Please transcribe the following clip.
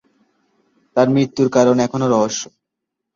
তার মৃত্যুর কারণ এখনও রহস্য।